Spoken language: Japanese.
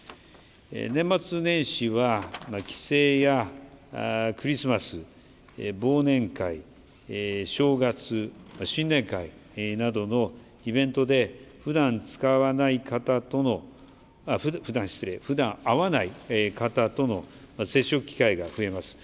年末年始は、帰省やクリスマス、忘年会、正月、新年会などのイベントで、ふだん使わない方との、失礼、ふだん会わない方との接触機会が増えます。